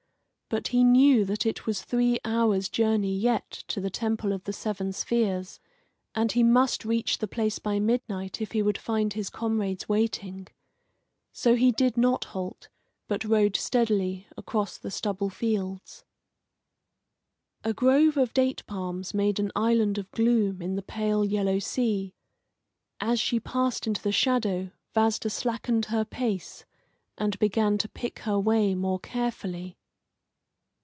But he knew that it was three hours' journey yet to the Temple of the Seven Spheres, and he must reach the place by midnight if he would find his comrades waiting. So he did not halt, but rode steadily across the stubble fields. A grove of date palms made an island of gloom in the pale yellow sea. As she passed into the shadow Vasda slackened her pace, and began to pick her way more carefully.